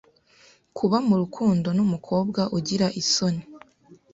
Kuba mu rukundo n’umukobwa ugira isoni